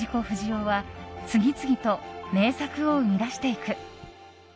不二雄は次々と名作を生み出していく。